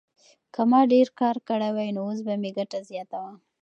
که ما ډېر کار کړی وای نو اوس به مې ګټه زیاته وه.